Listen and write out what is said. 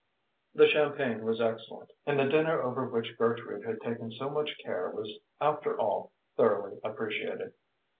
The champagne was excellent, and the dinner over which Gertrude had taken so much care was after all thoroughly appreciated.